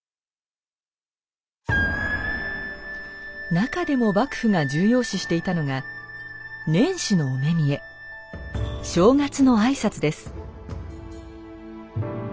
なかでも幕府が重要視していたのが正月の挨拶です。